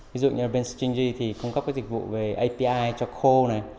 ví dụ như bên stringy cung cấp dịch vụ về api cho call